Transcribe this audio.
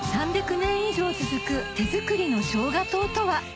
３００年以上続く手作りの生姜糖とは？